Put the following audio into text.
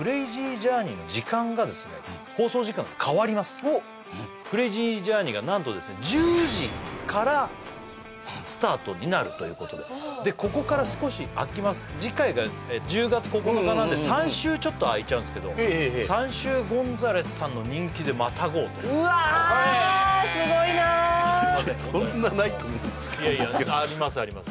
このあとでクレイジージャーニーが何とですね１０時からスタートになるということででここから少し空きます次回が１０月９日なんで３週ちょっと空いちゃうんですけど３週ゴンザレスさんの人気でまたごうとうわすごいないやそんなないと思うんですけどいやいやありますあります